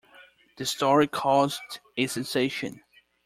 The story caused a sensation.